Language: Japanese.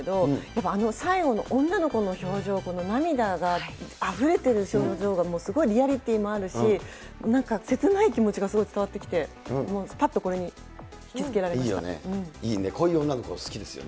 やっぱ最後の女の子の表情がもう涙があふれてる表情が、すごいリアリティーもあるし、なんか切ない気持ちがすごい伝わってきて、もうぱっとこれに引き付けられまいいよね、こういう女の子好好きですか？